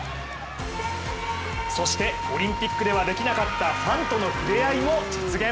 そしてオリンピックではできなかった、ファンとの触れ合いも実現。